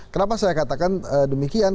kenapa saya katakan demikian